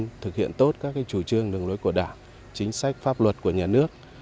thực hiện tốt các chủ trương đường lối của đảng chính sách pháp luật của nhà nước